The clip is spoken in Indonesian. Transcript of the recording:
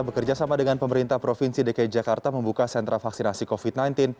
bekerja sama dengan pemerintah provinsi dki jakarta membuka sentra vaksinasi covid sembilan belas